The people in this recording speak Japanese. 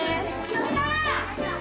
やったー！